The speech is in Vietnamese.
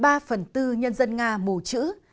ba phần tư nhân dân nga mù chữ